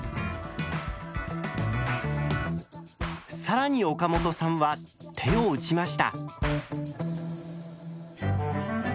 更に岡本さんは手を打ちました。